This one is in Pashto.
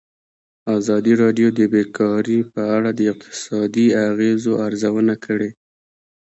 ازادي راډیو د بیکاري په اړه د اقتصادي اغېزو ارزونه کړې.